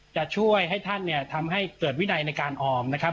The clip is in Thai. จะช่วยให้ท่านเนี่ยทำให้เกิดวินัยในการออมนะครับ